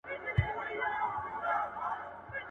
د سپي په غپ پسي مه ځه.